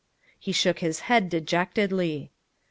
He shook his head dejectedly.